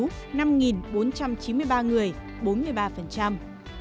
trong đó cách ly tập trung tại bệnh viện bốn trăm chín mươi ba người bốn mươi ba